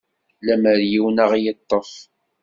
Lemer yiwen ad ɣ-yeṭṭef?